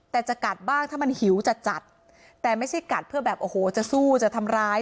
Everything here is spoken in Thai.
แต่จะกัดบ้างถ้ามันหิวจัดจัดแต่ไม่ใช่กัดเพื่อแบบโอ้โหจะสู้จะทำร้าย